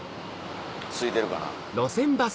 すいてるかな？